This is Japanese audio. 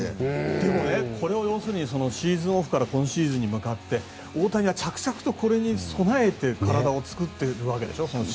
でもこれをシーズンオフから今シーズンに向かって大谷は着々とこれに備えて体を作っているわけでしょ。